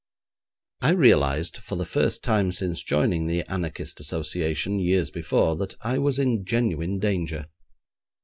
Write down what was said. I realised for the first time since joining the anarchist association years before that I was in genuine danger.